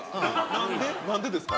何で何でですか？